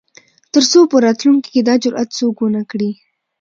تر څو په راتلونکو کې دا جرات څوک ونه کړي.